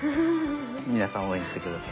皆さん応援して下さい。